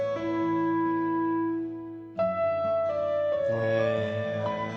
へえ。